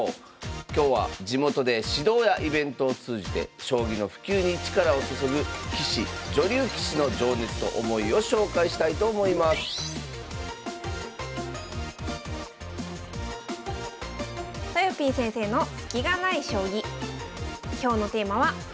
今日は地元で指導やイベントを通じて将棋の普及に力を注ぐ棋士・女流棋士の情熱と思いを紹介したいと思いますとよぴー先生の「スキがない将棋」。